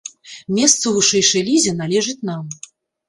Месца ў вышэйшай лізе належыць нам.